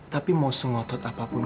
tapi mau sengotot apapun